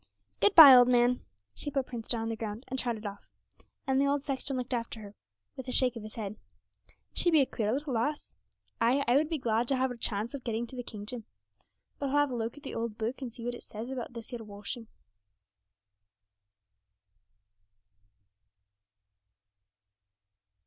Good bye, old man.' She put Prince down on the ground, and trotted off, and the old sexton looked after her with a shake of his head. 'She be a queer little lass! Ay, I would be glad to have her chance of getting to the Kingdom. But I'll have a look at the old Book, and see what it says about this 'ere washing.'